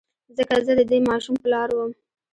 ځکه زه د دې ماشوم پلار وم.